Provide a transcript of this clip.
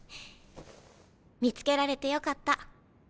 見つけられてよかった。